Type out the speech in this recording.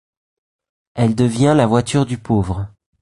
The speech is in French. Elle devient la voiture du pauvre.